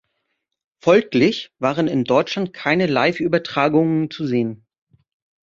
Folglich waren in Deutschland keine Live-Übertragungen zu sehen.